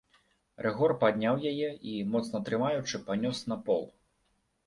Рыгор падняў яе і, моцна трымаючы, панёс на пол.